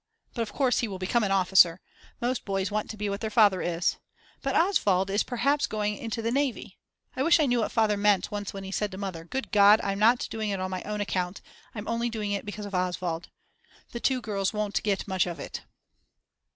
But of course he will become an officer. Most boys want to be what their father is. But Oswald is perhaps going into the Navy. I wish I knew what Father meant once when he said to Mother: Good God, I'm not doing it on my own account. I'm only doing it because of Oswald. The two girls won't get much out of it.